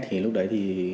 thì lúc đấy thì